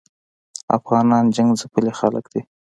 افغانان جنګ ځپلي خلګ دي